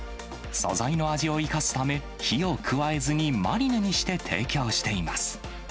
素材の味を生かすため、火を加えずに、マリネにして提供しています。